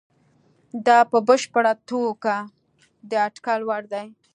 دا په بشپړه توګه د اټکل وړ دي.